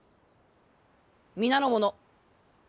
皆の者